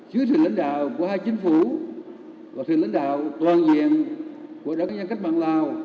dưới sự lãnh đạo của hai chính phủ và sự lãnh đạo toàn diện của đảng nhân dân cách mạng lào